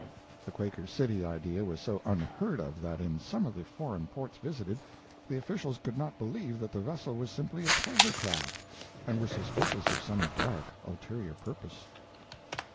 [The Quaker City idea was so unheard of that in some of the foreign ports visited, the officials could not believe that the vessel was simply a pleasure craft, and were suspicious of some dark, ulterior purpose.